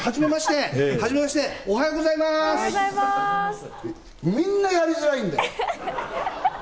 はじめまして、おはようございまみんなやりづらいんだよ！